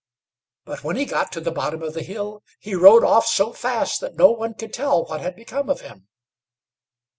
But when he got to the bottom of the hill, he rode off so fast that no one could tell what had become of him.